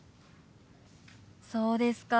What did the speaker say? そうですか。